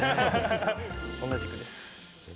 同じくです。